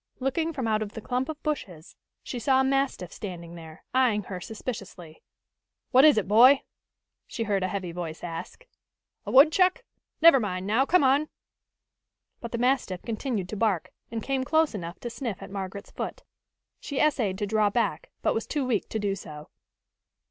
Looking from out of the clump of bushes, she saw a mastiff standing there, eying her suspiciously. "What is it, boy?" she heard a heavy voice ask. "A woodchuck? Never mind now, come on." But the mastiff continued to bark, and came close enough to sniff at Margaret's foot. She essayed to draw back, but was too weak to do so.